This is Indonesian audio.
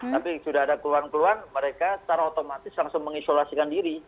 tapi sudah ada keluhan keluhan mereka secara otomatis langsung mengisolasikan diri